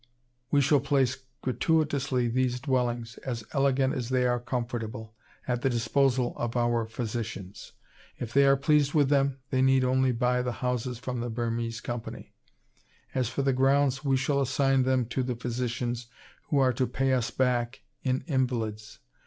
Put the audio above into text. We shall place gratuitously these dwellings, as elegant as they are comfortable, at the disposal of our physicians. If they are pleased with them, they need only buy the houses from the Bernese Company; as for the grounds, we shall assign them to the physicians, who are to pay us back in invalids.